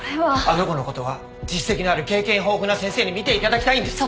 あの子のことは実績のある経験豊富な先生に診ていただきたいんです。